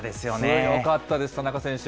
強かったです、田中選手。